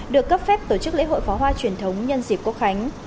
được cấp phép tổ chức lễ hội pháo hoa truyền thống nhân dịp quốc khánh